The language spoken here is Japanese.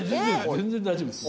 全然大丈夫です。